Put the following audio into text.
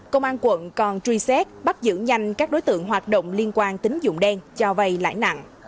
công an quận còn truy xét bắt giữ nhanh các đối tượng hoạt động liên quan tính dụng đen cho vay lãi nặng